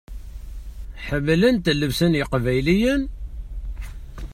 Ḥemmlent llebsa n yeqbayliyen?